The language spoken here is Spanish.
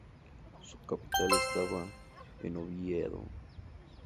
Su capital estaba en Oviedo.